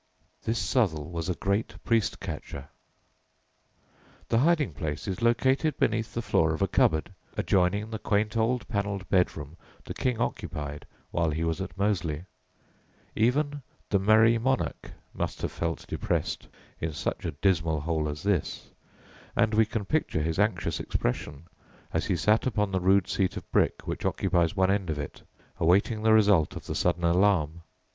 This Southall was a great priest catcher. [Illustration: "PRIEST'S HOLE," MOSELEY HALL, STAFFORDSHIRE] The hiding place is located beneath the floor of a cupboard, adjoining the quaint old panelled bedroom the King occupied while he was at Moseley. Even "the merry monarch" must have felt depressed in such a dismal hole as this, and we can picture his anxious expression, as he sat upon the rude seat of brick which occupies one end of it, awaiting the result of the sudden alarm.